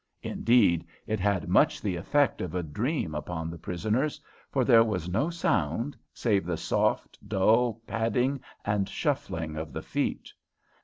Indeed, it had much the effect of a dream upon the prisoners, for there was no sound, save the soft, dull padding and shuffling of the feet.